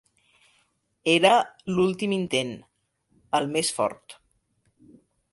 Era l'últim intent, el més fort.